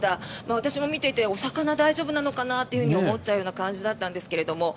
私も見ていてお魚、大丈夫なのかなと思っちゃうような感じだったんですけれど。